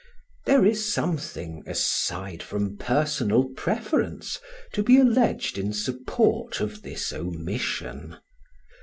There is something, aside from personal preference, to be alleged in support of this omission.